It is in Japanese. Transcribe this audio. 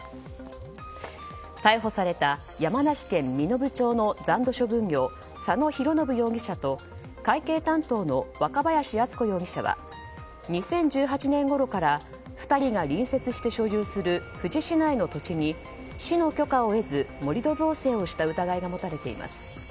逮捕された山梨県身延町の残土処分業佐野浩信容疑者と会計担当の若林厚子容疑者は２０１８年ごろから２人が隣接して所有する富士市内の土地に市の許可を得ず盛り土造成をした疑いが持たれています。